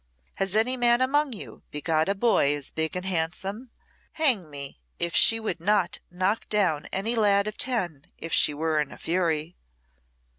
"Has any man among you begot a boy as big and handsome? Hang me! if she would not knock down any lad of ten if she were in a fury."